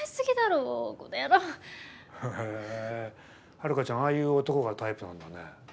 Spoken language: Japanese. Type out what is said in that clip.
ハルカちゃんああいう男がタイプなんだね。